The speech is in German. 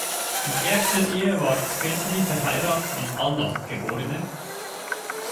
In erster Ehe war Szczesny verheiratet mit Anna, geb.